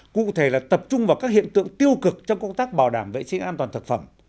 cụ thể là tập trung vào các hiện tượng tiêu cực trong công tác bảo đảm vệ sinh an toàn thực phẩm